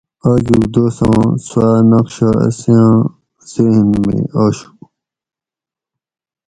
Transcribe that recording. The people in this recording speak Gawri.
آجوگ دوساں سوآ نقشہ اساں ذھن مئی آشو